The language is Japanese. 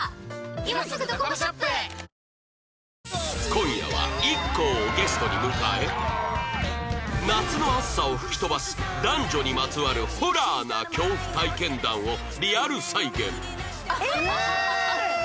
今夜は ＩＫＫＯ をゲストに迎え夏の暑さを吹き飛ばす男女にまつわるホラーな恐怖体験談をリアル再現